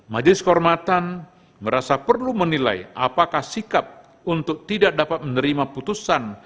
majelis kehormatan merasa perlu menilai apakah sikap untuk tidak dapat menerima putusan